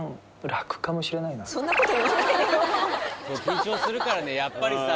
［緊張するからねやっぱりさ］